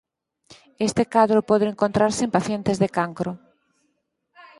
Este cadro pode encontrarse en pacientes de cancro.